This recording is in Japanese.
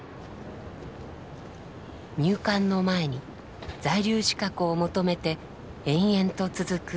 入管の前に在留資格を求めて延々と続く外国人の列。